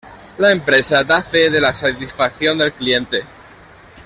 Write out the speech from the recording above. La empresa da fe de la satisfacción del cliente.